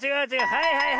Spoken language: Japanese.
はいはいはい。